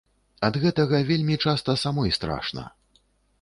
Ад гэтага вельмі часта самой страшна.